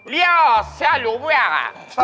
เลี่ยวสรุปว่ะ